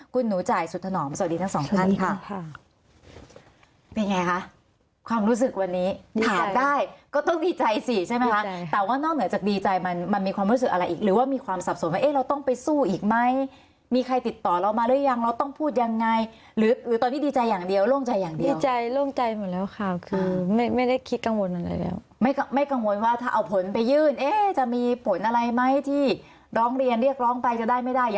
แต่ว่านอกเหนือจากดีใจมันมันมีความรู้สึกอะไรอีกหรือว่ามีความสับสนว่าเราต้องไปสู้อีกไหมมีใครติดต่อเรามาหรือยังเราต้องพูดยังไงหรือตอนนี้ดีใจอย่างเดียวโล่งใจอย่างเดียวดีใจโล่งใจหมดแล้วค่ะคือไม่ได้คิดกังวลอะไรแล้วไม่กังวลว่าถ้าเอาผลไปยื่นจะมีผลอะไรไหมที่ร้องเรียนเรียกร้องไปจะได้ไม่ได้ยั